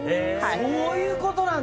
そういうことなんだ。